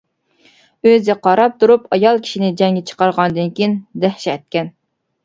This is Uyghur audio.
ئۆزى قاراپ تۇرۇپ ئايال كىشىنى جەڭگە چىقارغاندىن كىيىن دەھشەتكەن!